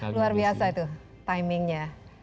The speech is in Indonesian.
luar biasa itu timingnya